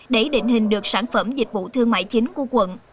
để định hình được sản phẩm dịch vụ thương mại chính của quận